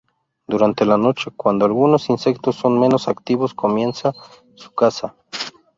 Durante la noche, cuando algunos insectos son menos activos comienza su caza.